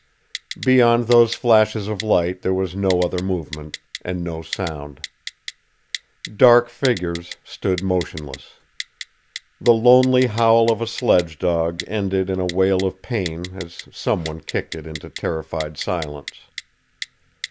Beyond those flashes of light there was no other movement, and no sound. Dark figures stood motionless. The lonely howl of a sledge dog ended in a wail of pain as some one kicked it into terrified silence.